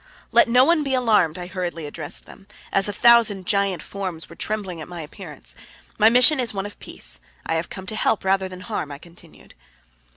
"Let no one be alarmed," I hurriedly addressed them, as a thousand giant forms were trembling at my appearance. "My mission is one of peace. I have come to help rather than harm," I continued.